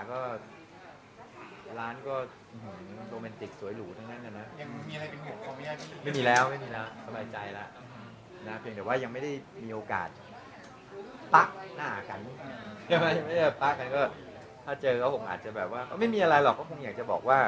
ก็เจอผมอาจจะแบบว่าไม่มีอะไรหรอกก็คงอยากจะบอกว่า